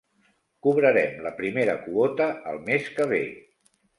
Cobrarem la primera quota el mes que ve.